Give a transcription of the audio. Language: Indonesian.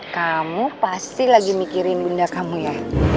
kamu pasti lagi mikirin bunda kamu ya